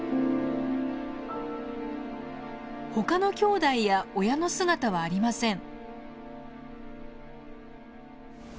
他のきょうだいや親の姿はありません。